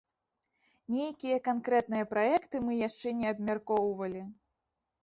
Нейкія канкрэтныя праекты мы яшчэ не абмяркоўвалі.